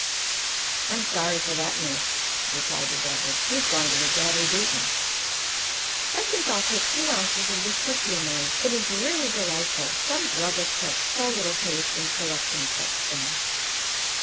"I'm sorry for that, miss," replied the druggist. "He's going to be badly beaten." "I think I'll take two ounces of this perfumery. It is really delightful. Some druggists have so little taste in selecting such things."